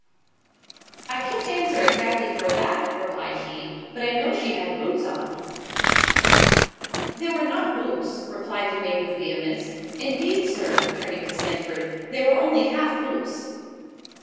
"I can't answer exactly for that," replied he, "but I know she had boots on." "They were not boots," replied the maid with vehemence—"indeed, Sir, (turning to Sandford) they were only half boots."